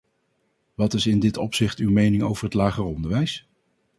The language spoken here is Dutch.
Wat is in dit opzicht uw mening over het lager onderwijs?